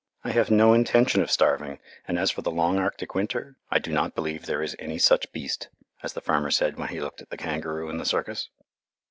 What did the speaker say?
I have no intention of starving, and as for the "long Arctic winter," I do not believe there is any such beast, as the farmer said when he looked at the kangaroo in the circus.